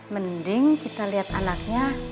mending kita lihat anaknya